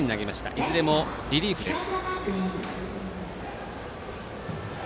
いずれもリリーフです。